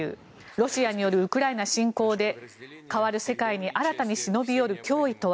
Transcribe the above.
ロシアによるウクライナ侵攻で変わる世界に新たに忍び寄る脅威とは。